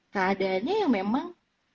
keadaannya yang memang